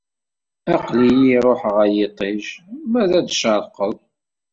Aql-i ruḥeɣ ay iṭij ma ad d-tcerqeḍ.